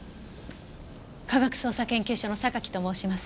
科学捜査研究所の榊と申します。